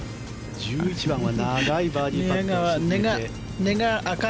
１１番は長いバーディーパットを沈めた。